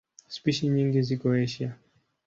Spishi nyingi ziko Asia.